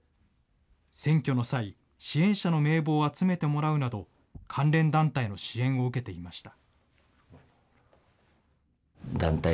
選挙の際、支援者の名簿を集めてもらうなど、関連団体の支援を受けていました。